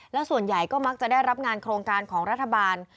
แล้วส่วนใหญ่ก็มักจะได้รับงานโครงการของรัฐบาล